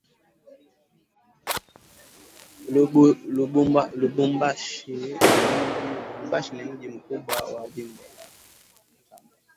Lubumbashi ni mji mkubwa wa jimbo la katanga